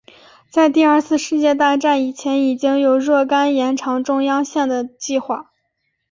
在第二次世界大战以前已经有若干延长中央线的计划。